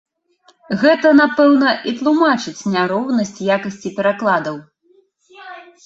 Гэта, напэўна, і тлумачыць няроўнасць якасці перакладаў.